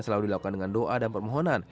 selalu dilakukan dengan doa dan permohonan